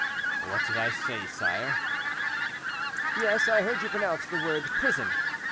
"What did I say, sire." "Yes; I heard you pronounce the word 'prison.'